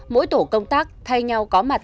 mỗi tổ công tác thay nhau có mặt